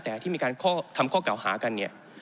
แต่ที่มีการทำข้อเก่าหากันเนี่ย